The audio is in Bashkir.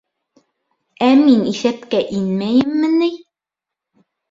— Ә мин иҫәпкә инмәйемме ни?